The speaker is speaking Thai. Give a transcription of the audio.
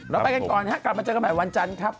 เราไปกันก่อนฮะกลับมาเจอกันใหม่วันจันทร์ครับ